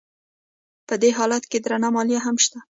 په دې حالت کې درنه مالیه هم شته